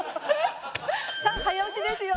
さあ早押しですよ。